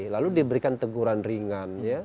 lalu diberikan teguran ringan